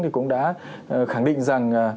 thì cũng đã khẳng định rằng